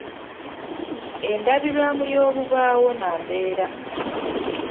Endabirwamu y’obubaawo nnambeera